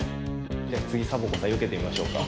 つぎサボ子さんよけてみましょうか。